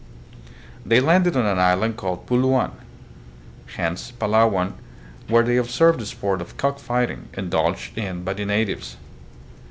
They landed on an island called Puluan (hence Palawan), where they observed the sport of cock fighting, indulged in by the natives.